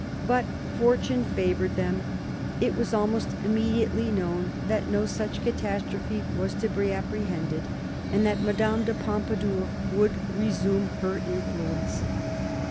But fortune favoured them. It was almost immediately known that no such catastrophe was to be apprehended, and that Madame de Pompadour would resume her influence.